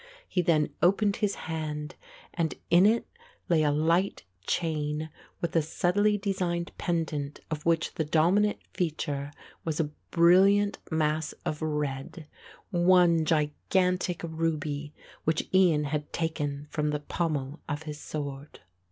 He then opened his hand and in it lay a light chain with a subtly designed pendant of which the dominant feature was a brilliant mass of red, one gigantic ruby, which Ian had taken from the pommel of his sword.